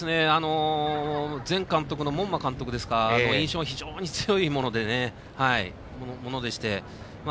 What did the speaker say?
前監督の門馬監督ですか印象が非常に強いものでして。